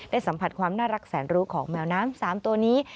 สัมผัสความน่ารักแสนรู้ของแมวน้ำ๓ตัวนี้